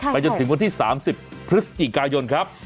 จนถึงวันที่๓๐พฤศจิกายนครับ